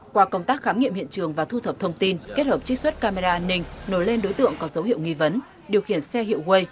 qua công tác khám nghiệm hiện trường và thu thập thông tin kết hợp trích xuất camera an ninh nối lên đối tượng có dấu hiệu nghi vấn điều khiển xe hiệu quây